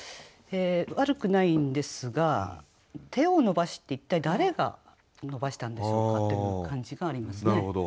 悪くないんですが「手を伸ばし」って一体誰が伸ばしたんでしょうかという感じがありますね。